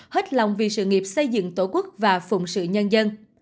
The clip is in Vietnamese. hết lòng vì sự nghiệp xây dựng tổ quốc và phụng sự nhân dân